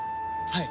はい。